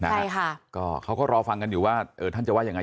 ใช่ค่ะก็เขาก็รอฟังกันอยู่ว่าเออท่านจะว่ายังไง